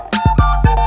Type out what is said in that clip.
kau mau kemana